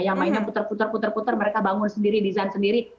yang mainnya putar putar putar putar mereka bangun sendiri desain sendiri